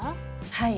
はい。